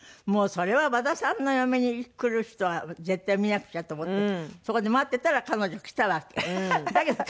もうそれは和田さんの嫁に来る人は絶対見なくちゃと思ってそこで待ってたら彼女来たわけ。